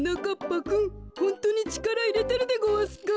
ぱくんホントにちからいれてるでごわすか？